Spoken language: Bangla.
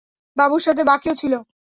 বাবুর সাথে বাঁকেও ছিল।